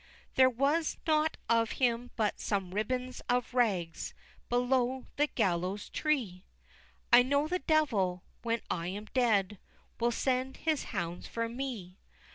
There was nought of him but some ribbons of rags Below the gallows' tree! I know the Devil, when I am dead, Will send his hounds for me!